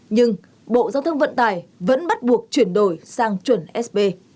nhưng bộ giao thông vận tải vẫn bắt buộc chuyển đổi sang chuẩn sb